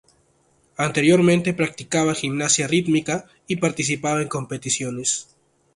Anteriormente practicaba gimnasia rítmica y participaba en competiciones.